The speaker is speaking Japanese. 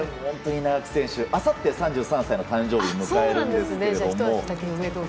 稲垣選手、あさって３３歳の誕生日を迎えるんですが。